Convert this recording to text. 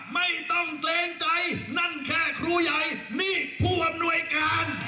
พี่น้องอยากได้กัญชากันจริงเหรอคะ